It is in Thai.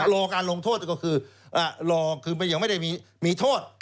รอการลงโทษก็คือรอคือมันยังไม่ได้มีโทษ